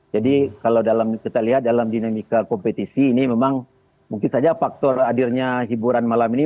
jadi kalau kita lihat dalam dinamika kompetisi ini memang mungkin saja faktor hadirnya hiburan malam ini